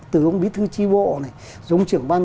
từ ông bí thư chi bộ này dùng trưởng văn